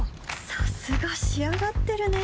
さすが仕上がってるね